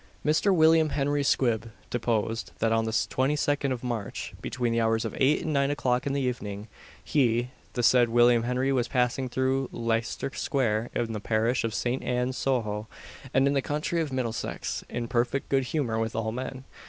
Mr. William Henry Squibb deposed, that on the 22nd of March, between the hours of eight and nine o'clock in the evening, he, the said William Henry, was passing through Leicester square, in the parish of St. Anne, Soho, and in the county of Middlesex, in perfect good humour with all men.